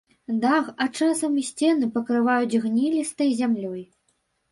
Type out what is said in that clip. Дах, а часам і сцены пакрываюць гліністай зямлёй.